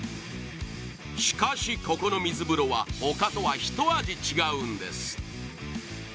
しかしここの水風呂はほかとはひと味違うんです